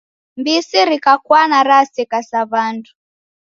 Mbisi rikakwana raseka sa W'andu.